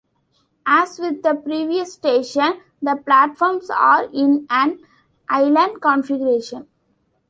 As with the previous station, the platforms are in an island configuration.